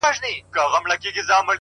په امن نه یم.